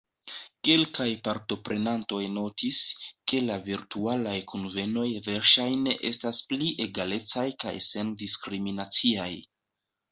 Kelkaj partoprenantoj notis, ke la virtualaj kunvenoj verŝajne estas pli egalecaj kaj sen-diskriminaciaj.